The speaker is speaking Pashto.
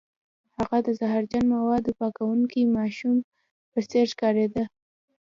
هغه د زهرجن موادو پاکوونکي ماشوم په څیر ښکاریده